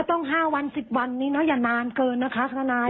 ต้อง๕วัน๑๐วันนี้เนาะอย่านานเกินนะคะทนาย